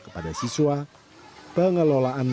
kepada siswa pengelolaan